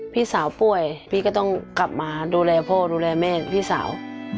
พี่สาวป่วยพี่ก็ต้องกลับมาดูแลพ่อดูแลแม่พี่สาว